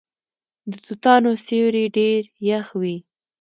د توتانو سیوری ډیر یخ وي.